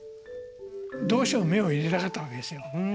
どうしても目を入れたかったわけですよ。